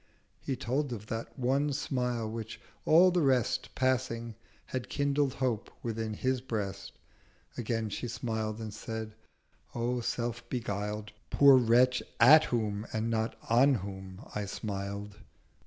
'— He told of that one Smile, which, all the Rest Passing, had kindled Hope within his Breast— Again she smiled and said, 'O self beguiled Poor Wretch, at whom and not on whom I smiled.'